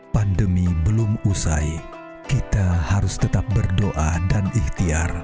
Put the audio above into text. pandemi belum usai kita harus tetap berdoa dan ikhtiar